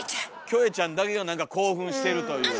キョエちゃんだけが何か興奮してるという。